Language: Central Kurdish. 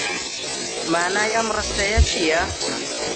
مانای ئەم ڕستەیە چییە؟